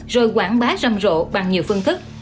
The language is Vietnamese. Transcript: rồi quảng bá răm rộ bằng nhiều phương thức